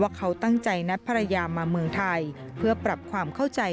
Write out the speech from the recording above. เขาตั้งใจนัดภรรยามาเมืองไทยเพื่อปรับความเข้าใจ